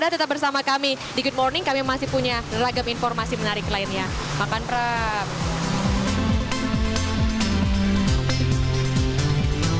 tetap bersama kami di good morning kami masih punya ragam informasi menarik lainnya makan prap